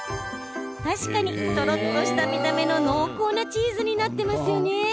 確かに、とろっとした見た目の濃厚なチーズになってますね。